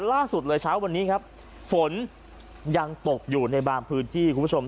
ล่าสุดเลยเช้าวันนี้ครับฝนยังตกอยู่ในบางพื้นที่คุณผู้ชม